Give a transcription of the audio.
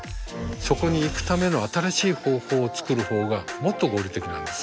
そこに行くための新しい方法を作る方がもっと合理的なんです。